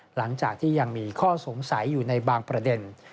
หลังจากที่ยังมีข้อสงสัยอยู่ในบางประเด็น